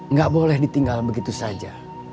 nggak boleh ditinggal begitu saja